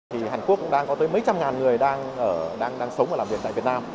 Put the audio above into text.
thì hàn quốc cũng đang có tới mấy trăm ngàn người đang sống và làm việc tại việt nam